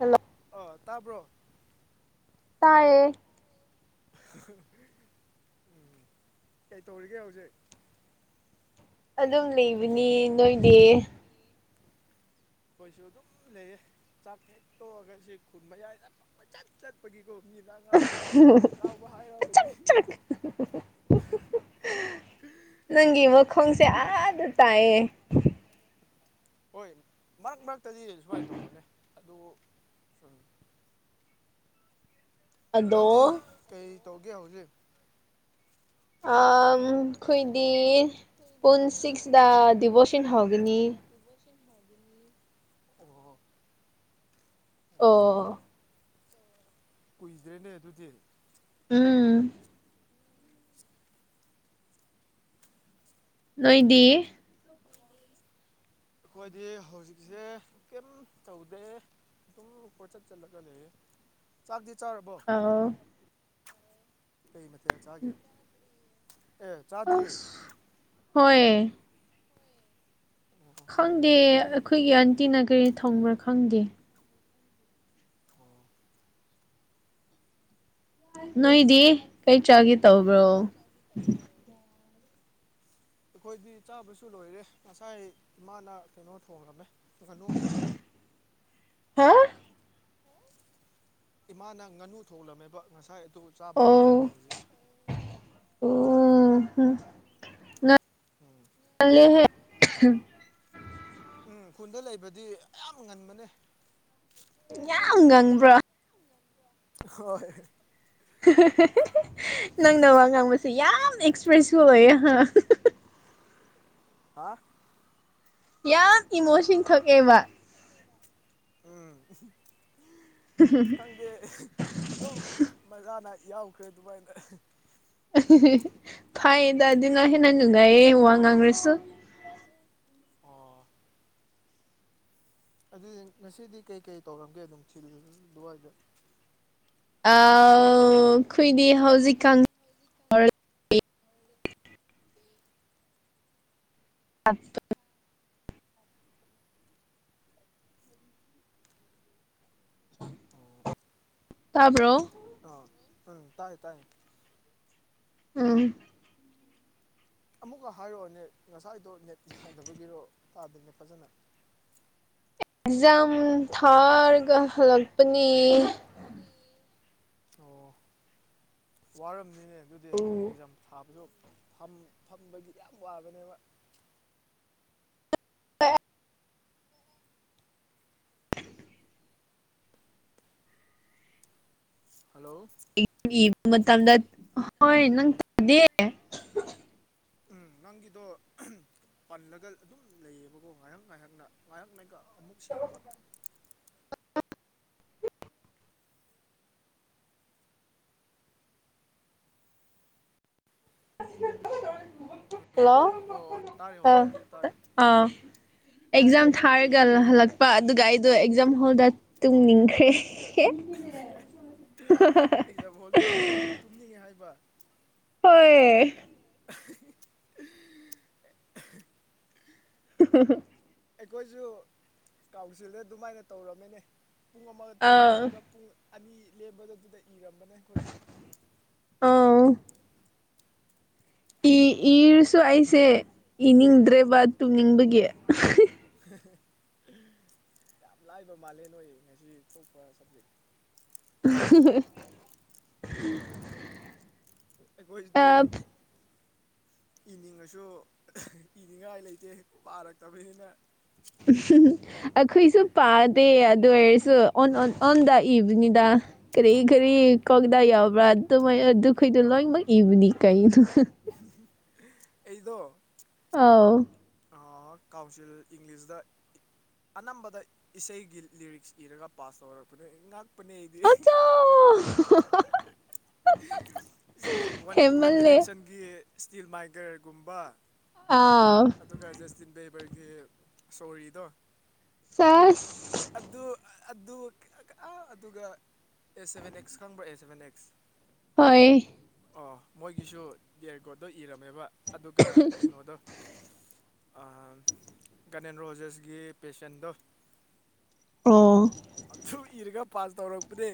hello ꯑꯥ ꯇꯥꯕ꯭ꯔꯣ ꯇꯥꯌꯦꯦ ꯎꯝ ꯀꯩ ꯇꯧꯔꯤꯒꯦ ꯍꯧꯖꯤꯛ ꯑꯗꯨꯝ ꯂꯩꯕꯅꯤ ꯅꯣꯏꯗꯤ ꯑꯩꯈꯣꯏꯁꯨ ꯑꯗꯨꯝ ꯂꯩꯌꯦ ꯆꯥꯛ ꯍꯦꯛ ꯇꯣꯛꯑꯒ ꯁꯤ ꯈꯨꯟ ꯃꯌꯥꯏꯗꯠ ꯆꯠꯄꯒꯤꯀꯣ ꯃꯤꯅ ꯑꯉꯥꯎꯕ ꯑꯉꯥꯎꯕ ꯑꯆꯛ ꯍꯥꯏꯔꯕꯅꯤ ꯆꯛ ꯅꯪꯒꯤ ꯃꯈꯣꯡꯁꯦ ꯑꯥꯗ ꯇꯥꯏꯑꯦ ꯍꯣꯏ ꯃꯔꯛ ꯃꯔꯛꯇꯗꯤ ꯁꯨꯃꯥꯏꯅ ꯇꯧꯕꯅꯦ ꯑꯗꯨ ꯎ ꯑꯗꯣ ꯅꯪꯗꯤ ꯀꯩ ꯇꯧꯒꯦ ꯍꯧꯖꯤꯛ ꯑꯩꯈꯣꯏꯗꯤ ꯄꯨꯟ ꯁꯤꯛꯁꯇ ꯗꯤꯕꯣꯔꯁꯟ ꯍꯧꯒꯅꯤ ꯑꯗꯨꯕꯨ ꯕꯤ ꯑꯣ ꯀꯨꯏꯗ꯭ꯔꯦꯅꯦ ꯑꯗꯨꯗꯤ ꯎꯝ ꯅꯣꯏꯗꯤ ꯑꯩꯈꯣꯏꯗꯤ ꯍꯧꯖꯤꯛꯁꯦ ꯀꯔꯤꯝ ꯇꯧꯗꯦ ꯑꯗꯨꯝ ꯀꯣꯏꯆꯠ ꯆꯠꯂꯒ ꯂꯩꯌꯦ ꯆꯥꯛꯇ ꯆꯥꯔꯕꯣ ꯑꯥꯎ ꯀꯩ ꯃꯊꯦꯜ ꯆꯥꯒꯦ ꯑꯦ ꯆꯥꯗ꯭ꯔꯤ ꯑꯁ ꯍꯣꯏ ꯑꯣ ꯈꯪꯗꯦ ꯊꯦꯡꯉꯦꯍꯦ ꯑꯩꯈꯣꯏꯒꯤ ꯑꯟꯇꯤꯅ ꯀꯔꯤ ꯊꯪꯕ꯭ꯔꯥ ꯈꯪꯗꯦ ꯊꯣꯡ ꯅꯣꯏꯗꯤ ꯀꯔꯤ ꯆꯥꯒꯦ ꯇꯧꯕ꯭ꯔꯣ ꯑꯩꯈꯣꯏꯗꯤ ꯆꯥꯕꯁꯨ ꯂꯣꯏꯔꯦ ꯉꯁꯥꯏ ꯏꯃꯥꯅ ꯀꯩꯅꯣ ꯊꯣꯡꯉꯝꯃꯦ ꯀꯅꯨ ꯍꯥ ꯏꯃꯥꯅ ꯉꯥꯅꯨ ꯊꯣꯡꯂꯂꯝꯃꯦꯕ ꯉꯁꯥꯏ ꯑꯗꯨ ꯆꯥꯕ ꯑꯣ ꯂꯣꯏꯑꯦꯕ ꯍꯧꯖꯤꯛ ꯑꯣ ꯎꯝ ꯂꯦ ꯍ ꯎꯝ ꯈꯨꯟꯗ ꯂꯩꯕꯗꯤ ꯌꯥꯝꯌꯥꯝ ꯉꯟꯕꯅꯦ ꯌꯥꯝ ꯉꯪꯕ꯭ꯔꯣ ꯍꯣꯏ ꯍꯣꯏꯣꯏ ꯅꯪꯅ ꯋꯥ ꯉꯥꯡꯕꯁꯦ ꯌꯥꯝ ꯑꯦꯛꯁꯄ꯭ꯔꯦꯁꯤꯐ ꯑꯣꯏ ꯑꯍ ꯍꯥ ꯌꯥꯝ ꯏꯃꯣꯁꯟ ꯊꯣꯛꯑꯦꯕ ꯎꯝ ꯎ ꯈꯪꯗꯦ ꯑꯗꯨꯝ ꯃꯒꯥꯅ ꯌꯥꯎꯈ꯭ꯔꯦ ꯑꯗꯨꯃꯥꯏꯅ ꯐꯩꯌꯦꯗꯗꯤ ꯉꯥꯏꯍꯦ ꯅꯪ ꯅꯨꯡꯒꯥꯏꯌꯦꯦ ꯋꯥ ꯉꯥꯡꯈ꯭ꯔꯁꯨ ꯑꯣ ꯑꯗꯨꯗꯤ ꯉꯁꯤꯗꯤ ꯀꯩꯀꯩ ꯇꯧꯔꯝꯒꯦ ꯑꯗꯨꯝ ꯊꯤꯜ ꯑꯗꯨꯋꯥꯏꯗ ꯑ ꯈꯨꯏꯗꯤ ꯍꯧꯖꯤꯛꯀꯪ ꯑꯁ ꯇꯥꯕ꯭ꯔꯣ ꯑ ꯎꯝ ꯇꯥꯏꯦ ꯇꯥꯏꯌꯦ ꯎꯝ ꯑꯃꯨꯛꯀ ꯍꯥꯏꯔꯛꯑꯣꯅꯦ ꯉꯁꯥꯏꯗꯣ ꯅꯦꯠ ꯌꯥꯗꯕꯒꯤꯔꯣ ꯇꯥꯗꯅꯦ ꯐꯖꯅ ꯑꯦꯛꯖꯥꯝ ꯊꯥꯔꯒ ꯍꯜꯂꯛꯄꯅꯤ ꯑꯣ ꯋꯥꯔꯝꯅꯤꯅꯦ ꯑꯗꯨꯗꯤ ꯑꯦꯛꯖꯥꯝ ꯊꯥꯕꯁꯨ ꯐꯝꯕꯒꯤꯗꯤ ꯌꯥꯝ ꯋꯥꯕꯅꯦꯕ ꯍ ꯍꯜꯂꯣ ꯏꯕ ꯃꯇꯝꯗ ꯍꯣꯏ ꯅꯪ ꯇꯗꯦ ꯅꯪꯒꯤꯗꯣ ꯄꯜꯂꯒ ꯑꯗꯨꯝ ꯂꯩꯌꯦꯕꯀꯣ ꯉꯥꯏꯍꯥꯛ ꯉꯥꯏꯍꯥꯛꯅ ꯉꯥꯏꯍꯥꯛ ꯉꯥꯏꯍꯥꯛ ꯑꯃꯨꯛ ꯁꯦꯡꯕ ꯎꯝ ꯍꯜꯂꯣ ꯎꯝ ꯑꯣ ꯑꯣ ꯇꯥꯔꯦ ꯑ ꯍꯧꯖꯤꯛꯇꯤ ꯇꯥꯔꯦ ꯑꯥ ꯑꯦꯛꯖꯥꯝ ꯊꯥꯔꯒ ꯍꯜꯂꯛꯄ ꯑꯗꯨꯒ ꯑꯩꯗꯣ ꯑꯦꯛꯖꯥꯝ ꯍꯣꯜꯗ ꯇꯨꯡꯅꯤꯡꯈ꯭ꯔꯦ ꯍꯦ ꯑꯦꯛꯖꯥꯝ ꯍꯣꯜꯗ ꯇꯨꯝꯅꯤꯡꯉꯦ ꯍꯥꯏꯕ ꯍꯣꯏ [unintelligible] [unintelligible] ꯑꯩꯈꯣꯏꯁꯨ ꯀꯥꯎꯟꯁꯤꯜ ꯑꯗꯨꯃꯥꯏꯅ ꯇꯧꯔꯝꯃꯤꯅꯦ ꯄꯨꯡ ꯑꯃꯒ ꯑꯥ ꯇꯨꯝꯃꯒ ꯄꯨꯡ ꯑꯅꯤ ꯂꯦꯝꯕꯗꯨꯗ ꯏꯔꯝꯕꯅꯦ ꯑꯩꯈꯣꯏꯁꯨ ꯑꯥꯎ ꯏ ꯏꯔꯁꯨ ꯑꯩꯁꯦ ꯏꯅꯤꯡꯗ꯭ꯔꯦꯕ ꯇꯨꯝꯅꯤꯡꯕꯒꯤ ꯌꯥꯝ ꯂꯥꯏꯕ ꯃꯥꯜꯂꯦ ꯅꯣꯢ ꯉꯁꯤ ꯊꯣꯛꯄ ꯁꯕꯖꯦꯛ ꯍ ꯑꯩꯈꯣꯏꯗꯤ ꯏꯅꯤꯡꯉꯁꯨ ꯏꯅꯤꯡꯉꯥꯏ ꯂꯩꯇꯦ ꯄꯥꯔꯛꯇꯕꯅꯤꯅ ꯎ ꯑꯩꯈꯣꯏꯁꯨ ꯄꯥꯗꯦ ꯑꯗꯨ ꯑꯣꯏꯔꯁꯨ ꯑꯣꯟ ꯗ ꯏꯕꯅꯤꯗ ꯀꯔꯤ ꯀꯔꯤ ꯑꯣ ꯀꯧꯗꯥ ꯌꯥꯎꯕ꯭ꯔꯥ ꯑꯗꯨꯃꯥꯏꯅ ꯑꯗꯨ ꯈꯩꯗꯣ ꯂꯣꯏꯅꯃꯛ ꯏꯕꯅꯤ ꯀꯩꯅꯩꯅꯣ ꯑꯩꯗꯣ ꯑꯥꯎ ꯑꯥ ꯀꯥꯎꯟꯁꯤꯜ ꯏꯪꯂꯤꯁꯗ ꯑꯅꯝꯕꯗ ꯏꯁꯩꯒꯤ ꯂꯤꯔꯤꯛꯁ ꯏꯔꯒ ꯄꯥꯁ ꯇꯧꯔꯛꯄꯅꯤ ꯉꯥꯏꯍꯥꯛ ꯄꯅꯦꯗꯤ ꯑꯆꯥ [unintelligible] ꯁꯤ ꯋꯥꯟ ꯋꯥꯟ ꯍꯦꯃꯜꯂꯦ ꯗꯤꯔꯦꯛꯁꯟꯒꯤ ꯏꯁꯇꯤꯜ ꯃꯥꯏ ꯒ꯭ꯔꯜꯒꯨꯝꯕ ꯑꯥ ꯑꯗꯨꯒ ꯖꯁꯇꯤꯟ ꯕꯦꯕꯔꯒꯤ ꯁꯣꯔꯤꯗꯣ ꯆꯁ ꯑꯗꯨ ꯑꯗꯨ ꯑꯥ ꯑꯗꯨꯒ ꯑꯦ ꯁꯚꯦꯟ ꯑꯦꯛꯁ ꯈꯪꯕ꯭ꯔꯥ ꯑꯦ ꯁꯚꯦꯟ ꯑꯦꯛꯁ ꯍꯣꯏ ꯑꯣ ꯃꯣꯏꯒꯤꯁꯨ ꯌꯥꯔꯒꯣꯗꯣ ꯏꯔꯝꯃꯦꯕ ꯑꯗꯨꯒ ꯀꯩꯅꯣꯗꯣ ꯒꯅꯦꯟ ꯔꯣꯖꯦꯁꯒꯤ ꯄꯦꯁꯦꯟꯗꯣ ꯑꯣ ꯑꯗꯨ ꯏꯔꯒ ꯄꯥꯁ ꯇꯧꯔꯛꯄꯅꯦ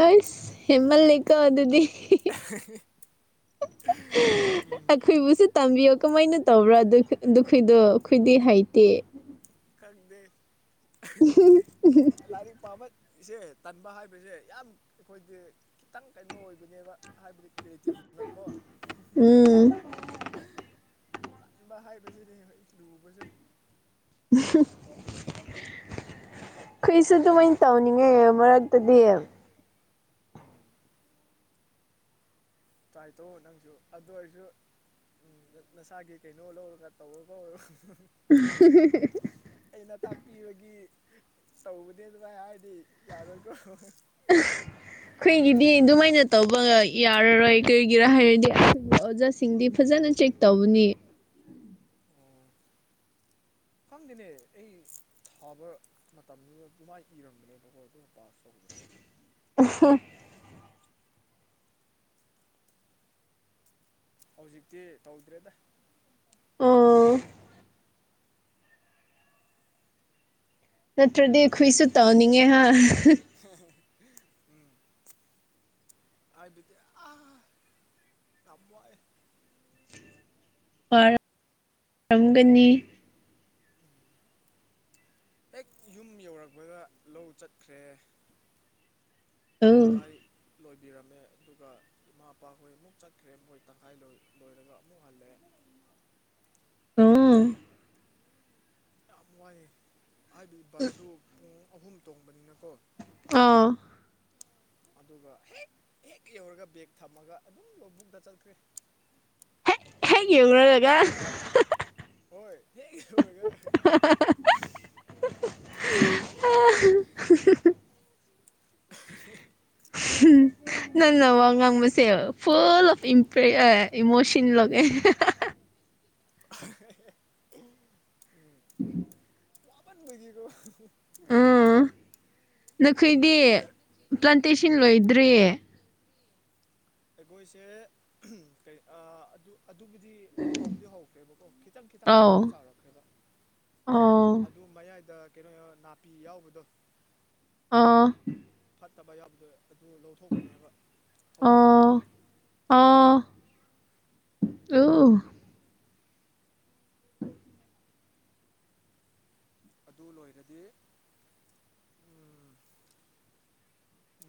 ꯑꯣꯏꯁ ꯍꯦꯃꯜꯂꯩꯀꯣ ꯑꯗꯨꯗꯤ [unintelligible] ꯈꯣꯏꯕꯨꯁꯨ ꯇꯝꯕꯤꯌꯣ ꯀꯃꯥꯏꯅ ꯇꯧꯕ꯭ꯔꯥ ꯑꯗꯨ ꯑꯗꯨ ꯈꯣꯏꯗꯣ ꯈꯣꯏꯗꯤ ꯍꯩꯇꯦ ꯈꯪꯗꯦ ꯂꯥꯢꯔꯤꯛ ꯄꯥꯕ ꯏꯆꯦ ꯇꯟꯕ ꯍꯥꯏꯕꯁꯦ ꯌꯥꯝ ꯑꯩꯈꯣꯏꯗꯤ ꯈꯤꯇꯪ ꯀꯩꯅꯣ ꯑꯣꯏꯕꯅꯦꯕ ꯍꯥꯏꯕꯗꯤ ꯀ꯭ꯔꯤꯌꯦꯇꯤꯞꯅꯀꯣ ꯎꯝ ꯇꯟꯕ ꯍꯥꯏꯕꯁꯤꯅꯦ ꯂꯨꯕꯁꯦ [unintelligible] ꯑꯩꯈꯣꯏꯁꯨ ꯑꯗꯨꯃꯥꯏꯅ ꯇꯧꯅꯤꯡꯉꯦ ꯃꯔꯛꯇꯗꯤ ꯎꯝ ꯇ꯭ꯔꯥꯏ ꯇꯧꯑꯣ ꯅꯪꯁꯨ ꯑꯗꯨ ꯑꯣꯏꯔꯁꯨ ꯅꯁꯥꯒꯤ ꯀꯩꯅꯣ ꯂꯧꯔꯒ ꯇꯧꯔꯣꯀꯣ [unintelligible] ꯑꯩꯅ ꯇꯥꯛꯄꯤꯕꯒꯤ ꯇꯧꯕꯅꯦꯗꯅ ꯍꯥꯏꯔꯗꯤ ꯌꯥꯔꯣꯏꯀꯣ [inaudible] ꯑꯩꯈꯣꯏꯒꯤꯗꯤ ꯑꯗꯨꯃꯥꯏꯅ ꯇꯧꯕ ꯌꯥꯔꯔꯣꯏ ꯀꯔꯤꯒꯤꯔꯥ ꯍꯥꯏꯔꯗꯤ ꯑꯣꯖꯥꯁꯤꯡꯗꯤ ꯐꯖꯅ ꯆꯦꯛ ꯇꯧꯕꯅꯤ ꯈꯪꯗꯦꯅꯦ ꯑꯩ ꯊꯥꯕ ꯃꯇꯝꯗꯨꯗ ꯑꯗꯨꯃꯥꯏꯅ ꯏꯔꯝꯕꯅꯦ ꯕꯀꯣ ꯑꯗꯨꯝ ꯄꯥꯁ ꯇꯧꯕꯅꯦ [unintelligible] ꯍꯧꯖꯤꯛꯇꯤ ꯇꯧꯗ꯭ꯔꯦꯗ ꯑꯣ ꯅꯠꯇ꯭ꯔꯗꯤ ꯑꯩꯈꯣꯏꯁꯨ ꯇꯣꯅꯤꯡꯉꯦ ꯍꯥ ꯎꯝ ꯑꯗꯨꯗꯤ ꯑꯥ ꯌꯥꯝ ꯋꯥꯢ ꯋꯥꯔꯝꯒꯅꯤ ꯍꯦꯛ ꯌꯨꯝ ꯌꯧꯔꯛꯄꯗ ꯂꯧ ꯆꯠꯈ꯭ꯔꯦ ꯑꯧ ꯇꯪꯈꯥꯏ ꯂꯣꯏꯕꯤꯔꯝꯃꯦ ꯑꯗꯨꯒ ꯏꯃꯥ ꯏꯄꯥꯈꯣꯏ ꯑꯃꯨꯛ ꯆꯠꯈ꯭ꯔꯦ ꯃꯣꯏ ꯇꯪꯈꯥꯏ ꯂꯣꯏꯔꯒ ꯑꯃꯨꯛ ꯍꯜꯂꯦ [unintelligible] ꯌꯥꯝ ꯋꯥꯏꯌꯦ ꯍꯥꯏꯕꯗꯤ ꯕꯥꯁꯁꯨ ꯄꯨꯡ ꯑꯍꯨꯝ ꯇꯣꯡꯕꯅꯤꯅꯀꯣ ꯑꯥ ꯑꯗꯨꯒ ꯍꯦꯛ ꯍꯦꯛ ꯌꯧꯔꯒ ꯕꯦꯒ ꯊꯝꯃꯒ ꯑꯗꯨꯝ ꯂꯧꯕꯨꯛꯇ ꯆꯠꯈ꯭ꯔꯦ ꯍꯦꯛ ꯍꯦꯛ ꯌꯧꯔꯂꯒ ꯍꯣꯏ ꯍꯦꯛ ꯌꯧꯔꯒ [unintelligible] [unintelligible] [unintelligible] [unintelligible] ꯅꯪꯅ ꯋꯥ ꯉꯥꯡꯕꯁꯦ ꯐꯨꯜ ꯑꯣꯐ ꯢꯝꯄ꯭ꯔꯦ ꯏꯃꯣꯁꯟ ꯂꯧꯋꯦ [unintelligible] ꯎꯝ [inaudible] ꯋꯥꯃꯟꯕꯒꯤꯀꯣ ꯎꯝ ꯅꯈꯣꯏꯗꯤ ꯑꯗꯨꯒꯤ ꯄ꯭ꯂꯥꯟꯇꯦꯁꯟ ꯂꯣꯏꯗ꯭ꯔꯤ ꯑꯩꯈꯣꯏꯁꯦ ꯀꯩ ꯑꯗꯨ ꯑꯗꯨꯕꯨꯗꯤ ꯍꯧꯗꯤ ꯍꯧꯈ꯭ꯔꯦꯕꯀꯣ ꯈꯤꯇꯪ ꯈꯤꯇꯪ ꯆꯥꯎꯗꯤ ꯑꯧ ꯆꯥꯎꯔꯛꯈ꯭ꯔꯦꯕ ꯑꯣ ꯑꯗꯨ ꯃꯌꯥꯏꯗ ꯀꯩꯅꯣ ꯅꯥꯄꯤ ꯌꯥꯎꯕꯗꯣ ꯑꯥ ꯐꯠꯇꯕ ꯌꯥꯎꯕꯗꯣ ꯑꯗꯨ ꯂꯧꯊꯣꯛꯄꯅꯦꯕ ꯍꯧꯖꯤꯛꯅ ꯑꯣ ꯑꯣ ꯑꯣ [inaudible] ꯑꯗꯨ ꯂꯣꯏꯔꯗꯤ ꯎꯝ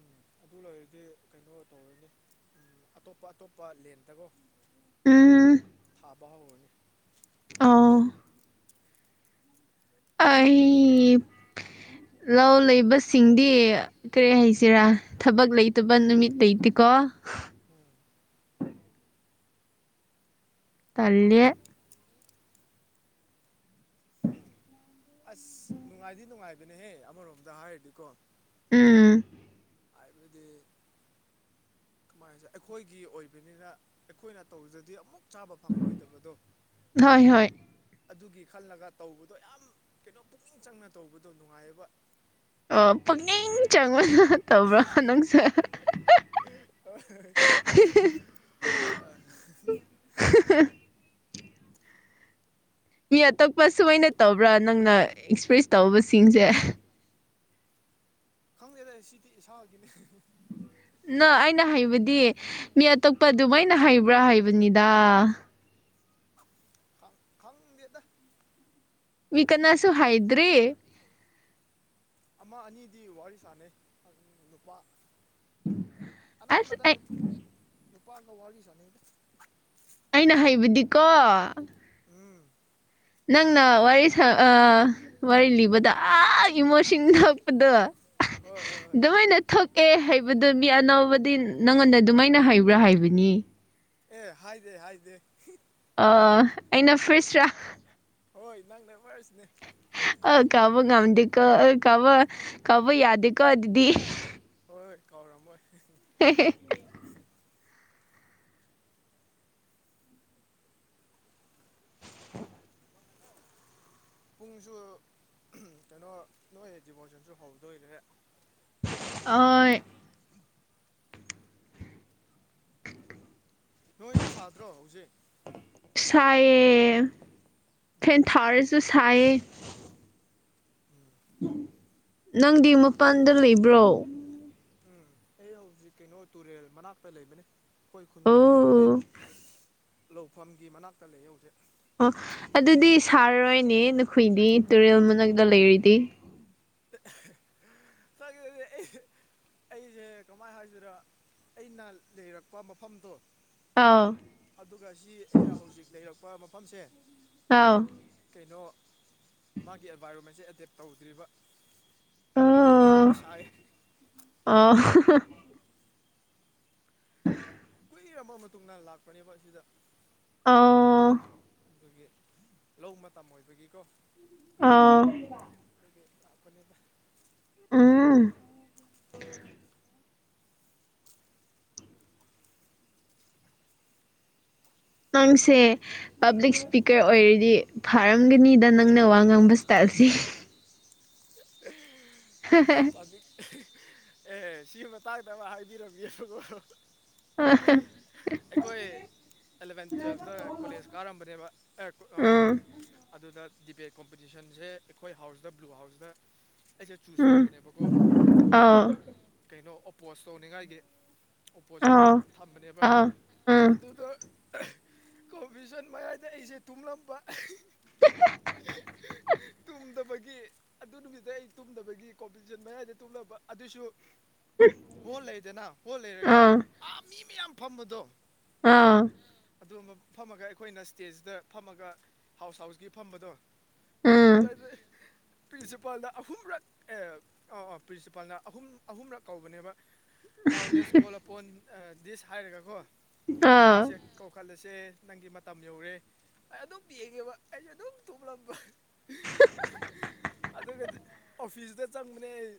ꯎꯝ ꯑꯗꯨ ꯂꯣꯏꯔꯗꯤ ꯀꯩꯅꯣ ꯇꯧꯔꯅꯤ ꯑꯇꯣꯞꯄ ꯑꯇꯣꯞꯄ ꯂꯦꯟꯗꯒꯣ ꯎꯝ ꯑꯕ ꯍꯧꯔꯅꯤ ꯑꯣ ꯑꯩ ꯂꯧ ꯂꯩꯕꯁꯤꯡꯗꯤ ꯀꯔꯤ ꯍꯥꯏꯁꯤꯔꯥ ꯊꯕꯛ ꯂꯩꯇꯕ ꯅꯨꯃꯤꯠ ꯂꯩꯇꯦꯀꯣ ꯎꯝ ꯇꯜꯂꯦ ꯎꯝ ꯑꯁ ꯅꯨꯡꯉꯥꯏꯗꯤ ꯅꯨꯡꯉꯥꯏ ꯕꯅꯦꯍꯦ ꯑꯃꯔꯣꯝꯗ ꯍꯥꯏꯔꯗꯤꯀꯣ ꯎꯝ ꯍꯥꯏꯕꯗꯤ ꯀꯃꯥꯏ ꯍꯥꯢꯁꯤꯔ ꯑꯩꯈꯣꯏꯒꯤ ꯑꯣꯏꯕꯅꯤꯅ ꯑꯩꯈꯣꯏꯅ ꯇꯧꯖꯗꯤ ꯑꯃꯨꯛ ꯆꯥꯕ ꯐꯪꯂꯣꯏꯗꯕꯗꯣ ꯍꯣꯏ ꯍꯣꯏ ꯑꯗꯨꯒꯤ ꯈꯜꯂꯒ ꯇꯧꯕꯗꯣ ꯌꯥꯝ ꯀꯩꯅꯣ ꯄꯨꯛꯅꯤꯡ ꯆꯪꯅ ꯇꯧꯕꯗꯣ ꯅꯨꯡꯉꯥꯏꯕ ꯑꯣ ꯄꯨꯛꯅꯤꯡ ꯆꯪꯅ [unintelligible] [unintelligible] ꯃꯤ ꯑꯇꯛꯄ ꯁꯨꯃꯥꯏꯅ ꯇꯧꯕ꯭ꯔꯥ ꯅꯪꯅ ꯑꯦꯛꯁꯄ꯭ꯔꯦꯁ ꯇꯧꯕꯁꯤꯡꯁꯦ ꯈꯪꯗꯦꯗ ꯁꯤꯗꯤ ꯏꯁꯥꯒꯤꯅꯤ ꯅꯣ ꯑꯩꯅ ꯍꯩꯕꯗꯤ ꯃꯤ ꯑꯇꯣꯞꯄ ꯑꯗꯨꯃꯥꯏꯅ ꯍꯥꯢꯕ꯭ꯔꯥ ꯍꯥꯏꯕꯅꯤꯗ ꯈꯪꯗꯦꯗ ꯃꯤ ꯀꯅꯥꯁꯨ ꯍꯥꯢꯗ꯭ꯔꯤ ꯑꯃ ꯑꯅꯤꯗꯤ ꯋꯥꯔꯤ ꯁꯥꯟꯅꯩ ꯅꯨꯄꯥ ꯑꯁ ꯑꯅꯝꯕꯗ ꯑꯩ ꯅꯨꯄꯥ ꯅꯨꯄꯥꯒ ꯋꯥꯔꯤ ꯁꯥꯟꯅꯩꯗ ꯑꯩꯅ ꯍꯩꯕꯗꯤꯀꯣ ꯎꯝ ꯅꯪꯅ ꯋꯥꯔꯤ ꯁꯥ ꯋꯥꯔꯤ ꯂꯤꯕꯗ ꯑꯥ ꯏꯃꯣꯁꯟ ꯅꯞꯄꯗꯣ ꯍꯣꯏ ꯍꯣꯏ ꯍꯣꯏ ꯗꯨꯃꯥꯢꯅ ꯊꯣꯛꯛꯑꯦ ꯍꯥꯏꯕꯗꯣ ꯃꯤ ꯑꯅꯧꯕꯗꯤ ꯅꯪꯉꯣꯟꯗ ꯑꯗꯨꯃꯥꯏꯅ ꯍꯩꯕ꯭ꯔꯥ ꯍꯥꯏꯕꯅꯤ ꯑꯦ ꯍꯥꯏꯗꯦ ꯍꯥꯏꯗꯦ ꯑꯩꯅ ꯐ꯭ꯔꯤꯁ ꯔ ꯍꯣꯏ ꯅꯪꯅꯦ ꯋꯥꯔꯤꯔꯁꯤꯅꯦ ꯑ ꯀꯕ ꯉꯝꯗꯀꯣ ꯑ ꯀꯕ ꯀꯕ ꯌꯥꯗꯀꯣ ꯑꯗꯨꯤꯗꯤ ꯍꯣꯏ ꯍꯣꯏ ꯀꯥꯎꯔꯝꯃꯣꯏ ꯍ ꯄꯨꯡꯁꯨ ꯀꯩꯅꯣ ꯅꯣꯏ ꯗꯤꯚꯣꯔꯁꯟꯁꯨ ꯍꯧꯗꯣꯏꯔꯦ ꯑ ꯅꯣꯏ ꯁꯥꯗ꯭ꯔꯣ ꯍꯧꯖꯤꯛ ꯄꯤꯁꯥꯏꯌꯦ ꯄꯦꯟ ꯎꯝ ꯊꯔꯖꯨ ꯁꯥꯏꯌꯦ ꯎꯝ ꯅꯪꯗꯤ ꯃꯄꯥꯟꯗ ꯂꯩꯕ꯭ꯔꯣ ꯎꯝ ꯑꯩ ꯍꯧꯖꯤꯛ ꯀꯩꯅꯣ ꯇꯨꯔꯦꯜ ꯃꯅꯥꯛꯇ ꯂꯩꯕꯅꯤ ꯑꯩꯈꯣꯏ ꯈꯨꯟ ꯑꯩꯈꯣꯏ ꯑꯣ ꯂꯧꯐꯝꯒꯤ ꯃꯅꯥꯛꯇ ꯂꯩ ꯍꯧꯖꯤꯛ ꯑꯣ ꯑꯗꯨꯗꯤ ꯁꯥꯔꯔꯣꯏꯅꯦ ꯅꯈꯣꯏꯗꯤ ꯇꯨꯔꯦꯜ ꯃꯅꯥꯛꯇ ꯂꯩꯔꯤꯗꯤ [unintelligible] ꯑꯩꯁꯦ ꯀꯃꯥꯏꯅ ꯍꯥꯏꯁꯤꯗ ꯑꯩꯅ ꯂꯩꯔꯛꯄ ꯃꯐꯝꯗꯣ ꯑꯥ ꯑꯗꯨꯒ ꯁꯤ ꯑꯩꯅ ꯍꯧꯖꯤꯛ ꯂꯩꯔꯛꯄ ꯃꯐꯝꯁꯦ ꯑꯥꯎ ꯀꯩꯅꯣ ꯃꯥꯒꯤ ꯑꯦꯟꯚꯥꯏꯔꯣꯟꯃꯦꯟꯁꯦ ꯑꯦꯗꯦꯞ ꯇꯧꯗ꯭ꯔꯤꯕ ꯑꯗꯨꯗꯤ ꯌꯥꯝ ꯁꯥꯏ ꯑ ꯊꯤꯔꯕ ꯃꯇꯨꯡꯗ ꯂꯥꯛꯄꯅꯦꯕ ꯑꯁꯤꯗ ꯑꯥ ꯑꯗꯨꯒꯤ ꯂꯧ ꯃꯇꯝ ꯑꯣꯏꯕꯒꯤꯀꯣ ꯑꯥ [unintelligible] ꯑꯝ ꯅꯪꯁꯦ ꯄꯥꯕ꯭ꯂꯤꯛ ꯏꯁꯄꯤꯀꯔ ꯑꯣꯏꯔꯗꯤ ꯐꯥꯔꯝꯒꯅꯤꯗ ꯅꯪꯅ ꯋꯥ ꯉꯥꯡꯕ ꯁ꯭ꯇꯥꯏꯜꯁꯤ [unintelligible] ꯄꯕꯤ ꯑꯦ ꯁꯤ ꯃꯇꯥꯡꯗ ꯑꯃ ꯍꯥꯏꯕꯤꯔꯝꯒꯦꯕꯀꯣ ꯎꯝ ꯑꯩꯈꯣꯏ ꯑꯦꯂꯚꯦꯟ ꯇꯨꯋꯦꯜꯞꯇ ꯀꯣꯂꯦꯖ ꯀꯥꯔꯝꯕꯅꯦꯕ ꯎꯝ ꯑꯗꯨꯗ ꯗꯤꯕꯦꯠ ꯀꯣꯝꯄꯤꯇꯤꯁꯟꯁꯦ ꯑꯩꯈꯣꯏ ꯍꯥꯎꯁꯇ ꯕ꯭ꯂꯨ ꯍꯥꯎꯁꯇ ꯑꯩꯁꯦ ꯆꯨꯁ ꯎꯝ ꯇꯧꯕꯅꯦꯕꯀꯣ ꯑꯥꯎ ꯀꯩꯅꯣ ꯑꯣꯄꯣꯁ ꯇꯧꯅꯤꯡꯉꯥꯏꯒꯤ ꯑꯣꯄꯣꯖꯥꯔꯗ ꯑꯥꯎ ꯊꯝꯕꯅꯦꯕ ꯑꯥꯎ ꯎꯝ ꯑꯗꯨꯗ ꯑ ꯀꯣꯄꯤꯖꯟ ꯃꯌꯥꯏꯗ ꯑꯩꯁꯦ ꯇꯨꯝꯂꯝꯕ ꯇꯨꯝꯗꯕꯒꯤ ꯑꯗꯨ ꯅꯨꯃꯤꯠꯇ ꯑꯩ ꯇꯨꯝꯗꯕꯒꯤ ꯀꯣꯄꯤꯖꯟ ꯃꯌꯥꯏꯗ ꯇꯨꯝꯂꯝꯕ ꯑꯗꯨꯁꯨ ꯍꯣꯜ ꯂꯩꯗꯅ ꯍꯣꯜ ꯂꯩꯔꯒ ꯑꯥ ꯑ ꯃꯤ ꯃꯌꯥꯝ ꯐꯝꯕꯗꯣ ꯑꯥ ꯑꯗꯨ ꯐꯝꯃꯒ ꯑꯩꯈꯣꯏꯅ ꯏꯁ꯭ꯇꯦꯖꯗ ꯐꯝꯃꯒ ꯍꯥꯎꯁ ꯍꯥꯎꯁꯀꯤ ꯐꯝꯕꯗꯣ ꯎꯝ ꯑꯗꯨ ꯄ꯭ꯔꯤꯟꯁꯤꯄꯥꯜꯅ ꯑꯍꯨꯝꯔꯛ ꯑꯦ ꯑꯣ ꯑꯣ ꯄ꯭ꯔꯤꯟꯁꯤꯄꯥꯜꯅ ꯑꯍꯨꯝ ꯑꯍꯨꯝꯔꯛ ꯀꯧꯕꯅꯦꯕ ꯅꯥꯎ ꯂꯦꯁ ꯀꯣꯜ ꯑꯄꯣꯟ ꯗꯤꯁ ꯍꯥꯏꯔꯒꯀꯣ ꯑꯥ ꯃꯥꯁꯦ ꯀꯧꯈꯠꯂꯁꯦ ꯅꯪꯒꯤ ꯃꯇꯝ ꯌꯧꯔꯦ ꯑꯩ ꯑꯗꯨꯝ ꯌꯦꯡꯉꯦꯕ ꯑꯩꯁꯦ ꯑꯗꯨꯝ ꯇꯨꯝꯂꯝꯕ ꯑꯗꯨꯒꯗꯤ ꯑꯣꯐꯤꯁꯇ ꯆꯪꯕꯅꯦ ꯑꯩ